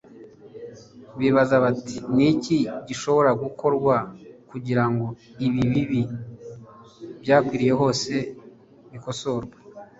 bibaza bati, “Ni iki gishobora gukorwa kugira ngo ibi bibi byakwiriye hose bikosorwe?